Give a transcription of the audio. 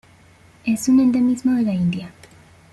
Es un endemismo de la India.